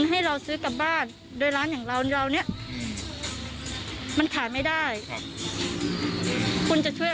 ให้เราซื้อกลับบ้านโดยร้านอย่างเราเราเนี่ยมันขายไม่ได้ครับคุณจะช่วย